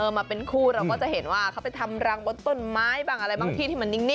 มาเป็นคู่เราก็จะเห็นว่าเขาไปทำรังบนต้นไม้บ้างอะไรบางที่ที่มันนิ่ง